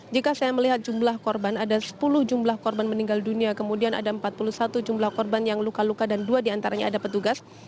jika saya melihat jumlah korban ada sepuluh jumlah korban meninggal dunia kemudian ada empat puluh satu jumlah korban yang luka luka dan dua diantaranya ada petugas